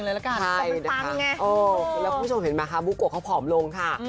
แล้วคุณผู้ชมเห็นไหมคะบุ๊กโกะเขาผอมลงค่ะ